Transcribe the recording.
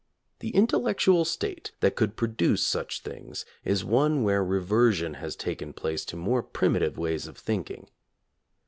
The intellectual state that could produce such things is one where reversion has taken place to more primitive ways of thinking.